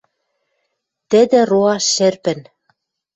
Тӹдӹ роа шӹрпӹн...